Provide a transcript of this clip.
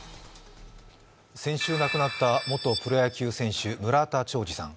先週亡くなった元プロ野球選手・村田兆治さん。